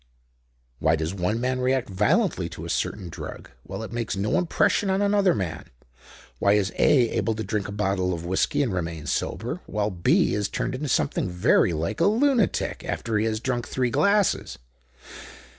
"Why does one man react violently to a certain drug, while it makes no impression on another man? Why is A able to drink a bottle of whisky and remain sober, while B is turned into something very like a lunatic after he has drunk three glasses?"